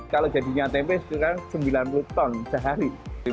kalau jadinya tempe sekarang sembilan puluh ton sehari